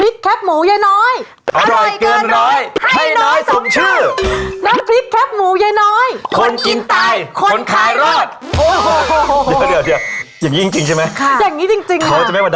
สุดชอบ